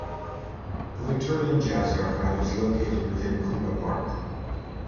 The Victorian Jazz Archive is located within Koomba Park.